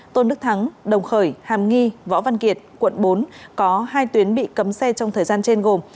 tôn đức thắng đồng khởi hàm nghi võ văn kiệt quận bốn có hai tuyến bị cấm xe trong thời gian trên gồm